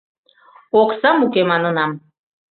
— Оксам уке, манынам.